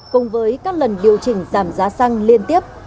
cùng với các lần điều chỉnh giảm giá xăng liên tiếp